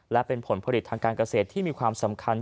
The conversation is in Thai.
และเป็นผลผลิตทางการเกษตรที่มีความสำคัญ